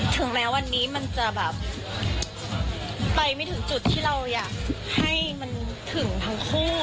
ถึงแล้ววันนี้เป็นความสุขที่เราอยากให้ถึงทั้งคู่